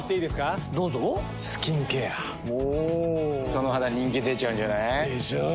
その肌人気出ちゃうんじゃない？でしょう。